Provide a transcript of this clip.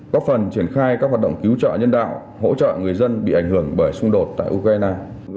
góp phần triển khai các hoạt động cứu trợ nhân đạo hỗ trợ người dân bị ảnh hưởng bởi xung đột tại ukraine